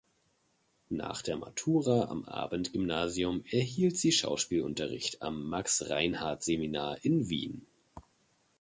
Nach der Matura am Abendgymnasium erhielt sie Schauspielunterricht am Max-Reinhardt-Seminar in Wien.